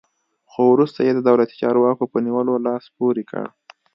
خو وروسته یې د دولتي چارواکو په نیولو لاس پورې کړ.